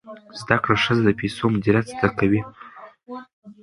زده کړه ښځه د پیسو مدیریت زده کوي.